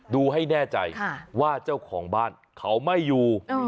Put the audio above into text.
ดูให้แน่ใจว่าเจ้าของบ้านเขาไม่อยู่